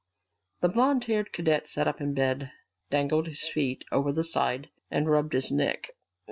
The blond haired cadet sat up in bed, dangled his feet over the side, and rubbed his neck.